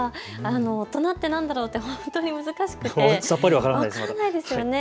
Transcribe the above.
大人ってなんだろうって本当に難しくて分からないですよね。